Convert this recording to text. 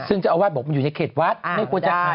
ซึ่งเจ้าอาวาสบอกมันอยู่ในเขตวัดไม่ควรจะขาย